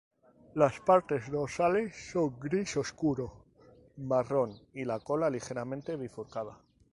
Las partes dorsales son gris oscuro-marrón y la cola ligeramente bifurcada.